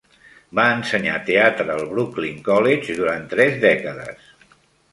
Va ensenyar teatre al Brooklyn College durant tres dècades.